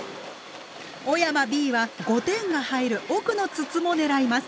小山Ｂは５点が入る奥の筒も狙います。